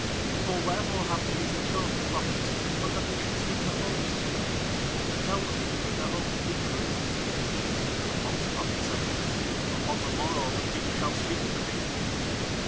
"For wherefore have the people chosen prophets but that they should speak the hopes of the people, and tell the people that their hopes be true?" The false prophet saith: "Upon the morrow the king shall speak to thee."